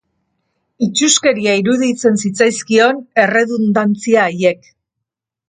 Itsuskeria iruditzen zitzaizkion erredundantzia haiek.